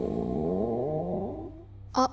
あ。